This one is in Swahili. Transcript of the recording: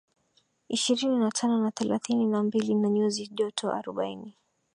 ishirini na tano na thelathini na mbili na nyuzi joto arobaini